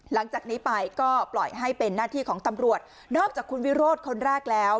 หลังจากนี้ไปก็ปล่อยให้เป็นหน้าที่ของตำรวจนอกจากคุณวิโรธคนแรกแล้ว